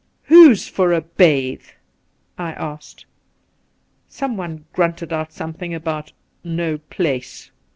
' Who's for a bathe V I asked. Someone grunted out something about ' no place.'